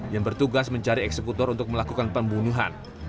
yang bertugas mencari eksekutor untuk melakukan pembunuhan